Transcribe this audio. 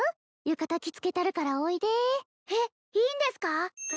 浴衣着付けたるからおいでえっいいんですか？